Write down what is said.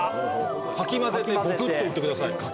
かき混ぜてゴクっと行ってください。